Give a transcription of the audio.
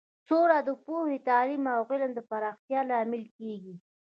سوله د پوهې، تعلیم او علم د پراختیا لامل کیږي.